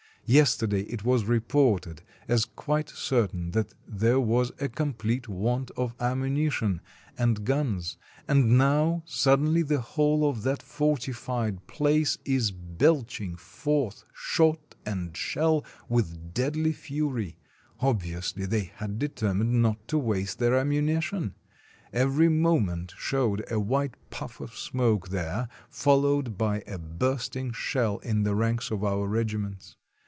Yesterday it was reported as quite cer tain that there was a complete want of ammunition and guns — and now suddenly the whole of that fortified place is belching forth shot and shell with deadly fury; obviously they had determined not to waste their am munition; every moment showed a white puff of smoke there, followed by a bursting shell in the ranks of our regiments.